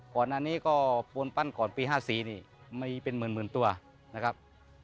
ก่อนอันนี้ก็ปูนปั้นก่อนปี๕๔นี่มีเป็นหมื่นตัวนะครับ